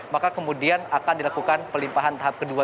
maka kemudian akan dilakukan pelimpahan tahap kedua